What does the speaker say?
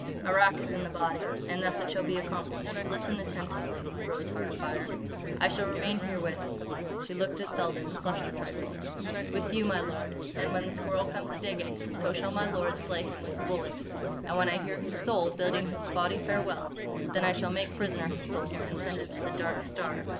"Arrak is in the body. And thus it shall be accomplished: listen attentively, Rose Heart Afire!—I shall remain here with——" she looked at Selden and flushed a trifle, "—with you, my lord. And when the Squirrel comes a digging, so shall my lord slay him with a bullet.... And when I hear his soul bidding his body farewell, then I shall make prisoner his soul.... And send it to the Dark Star....